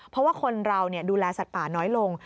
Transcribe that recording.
เพราะว่าคนเราดูแลสัตว์ป่าน้อยลง